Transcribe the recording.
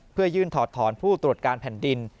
เพื่อยื่นถอดถอนผู้ตรวจการแผ่นดิน